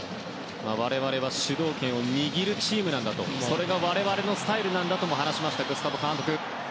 我々は主導権を握るチームなんだとそれが我々のスタイルなんだとも話しましたグスタボ監督。